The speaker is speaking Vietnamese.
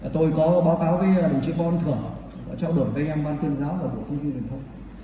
tôi có báo cáo với đồng chí bon thưởng đã trao đổi với anh em ban tuyên giáo và bộ thông tin bình thông